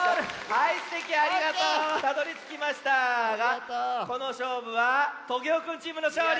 はいすてきありがとう！たどりつきましたがこのしょうぶはトゲオくんチームのしょうり！